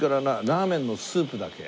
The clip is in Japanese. ラーメンのスープだけ。